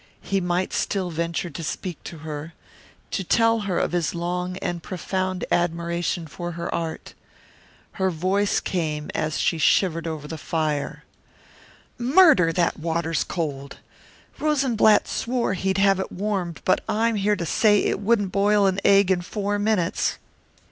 He might still venture to speak to her to tell her of his long and profound admiration for her art. Her voice came as she shivered over the fire: "Murder! That water's cold. Rosenblatt swore he'd have it warmed but I'm here to say it wouldn't boil an egg in four minutes."